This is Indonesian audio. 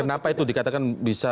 kenapa itu dikatakan bisa